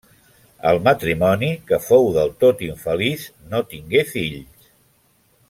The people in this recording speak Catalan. El matrimoni, que fou del tot infeliç, no tingué fills.